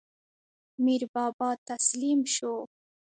میربابا تسلیم شو.